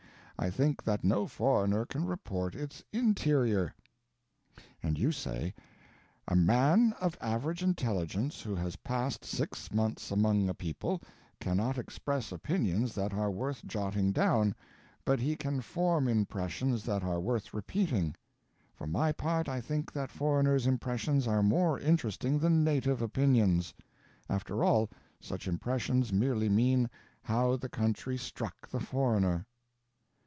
I think that no foreigner can report its interior;" [And you say: "A man of average intelligence, who has passed six months among a people, cannot express opinions that are worth jotting down, but he can form impressions that are worth repeating. For my part, I think that foreigners' impressions are more interesting than native opinions. After all, such impressions merely mean 'how the country struck the foreigner.'"